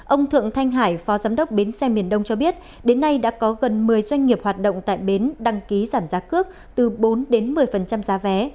ông thượng thanh hải phó giám đốc bến xe miền đông cho biết đến nay đã có gần một mươi doanh nghiệp hoạt động tại bến đăng ký giảm giá cước từ bốn đến một mươi giá vé